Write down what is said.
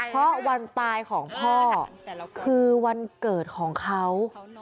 เพราะวันตายของพ่อคือวันเกิดของเขา